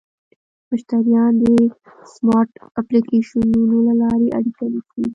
مشتریان به د سمارټ اپلیکیشنونو له لارې اړیکه نیسي.